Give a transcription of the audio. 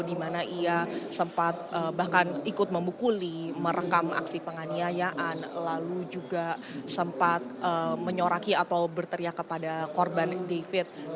ikut membukuli merekam aksi penganiayaan lalu juga sempat menyoraki atau berteriak kepada korban david